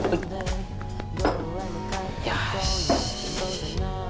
よし。